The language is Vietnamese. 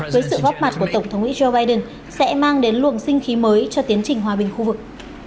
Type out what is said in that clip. với sự góp mặt của tổng thống mỹ joe biden sẽ mang đến luồng sinh khí mới cho tiến trình hòa bình khu vực